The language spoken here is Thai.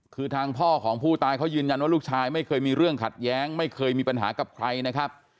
คือทางพ่อของผู้ตายเขายืนยันว่าลูกชายไม่เคยมีเรื่องขัดแย้งไม่เคยมีปัญหากับใครนะครับ